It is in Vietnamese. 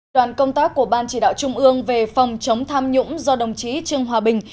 đoàn công tác của ban chỉ đạo trung ương về phòng chống tham nhũng do đồng chí trương hòa bình